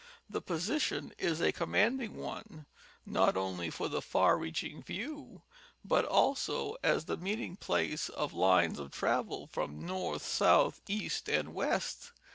The position is a com manding one, not only for the far reaching view, but also as the meeting place 6f lines of travel from north, south, east, and west.